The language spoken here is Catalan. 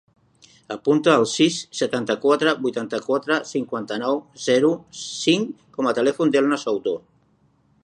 Apunta el sis, setanta-quatre, vuitanta-quatre, cinquanta-nou, zero, cinc com a telèfon de l'Elna Souto.